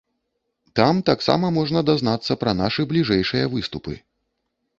Там таксама можна дазнацца пра нашы бліжэйшыя выступы.